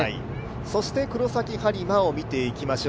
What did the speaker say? そして黒崎播磨を見ていきましょう。